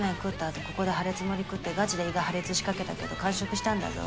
あとここでハレツ盛り食ってガチで胃が破裂しかけたけど完食したんだぞ。